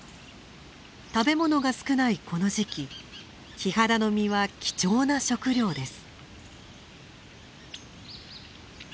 食べ物が少ないこの時期キハダの実は貴重な食糧です。